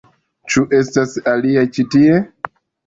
Ĉu estas aliaj ĉi tie?